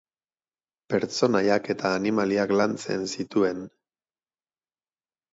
Pertsonaiak eta animaliak lantzen zituen.